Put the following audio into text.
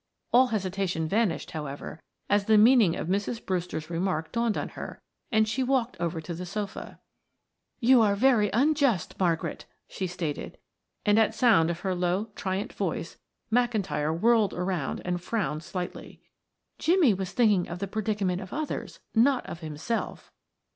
All hesitation vanished, however, as the meaning of Mrs. Brewster's remark dawned on her, and she walked over to the sofa. "You are very unjust, Margaret," she stated, and at sound of her low triante voice McIntyre whirled around and frowned slightly. "Jimmie was thinking of the predicament of others, not of himself."